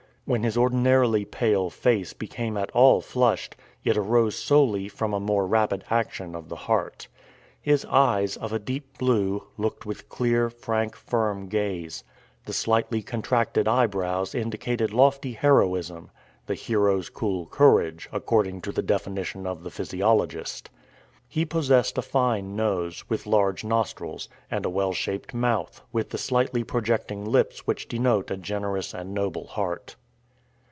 When his ordinarily pale face became at all flushed, it arose solely from a more rapid action of the heart. His eyes, of a deep blue, looked with clear, frank, firm gaze. The slightly contracted eyebrows indicated lofty heroism "the hero's cool courage," according to the definition of the physiologist. He possessed a fine nose, with large nostrils; and a well shaped mouth, with the slightly projecting lips which denote a generous and noble heart.